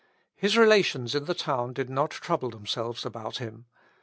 His relations in the town did not trouble themselves about him.